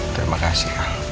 terima kasih ya